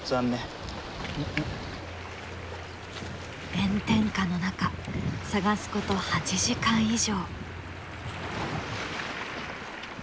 炎天下の中探すこと８時間以上。